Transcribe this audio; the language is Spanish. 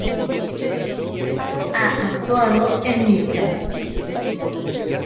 Ha actuado en "Mr.